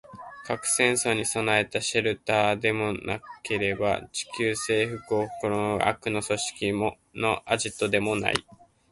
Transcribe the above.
核戦争に備えたシェルターでもなければ、地球制服を企む悪の組織のアジトでもない